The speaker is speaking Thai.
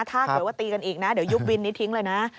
ถ้าเกิดว่าตีกันอีกนะเดี๋ยวยุบวินนี้ทิ้งเลยนะ